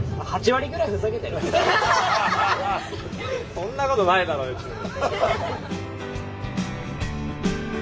そんなことないだろ別に。